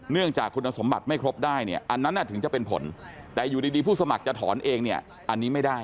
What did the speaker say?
เนื่องจากคุณสมบัติไม่ครบได้เนี่ยอันนั้นถึงจะเป็นผลแต่อยู่ดีผู้สมัครจะถอนเองเนี่ยอันนี้ไม่ได้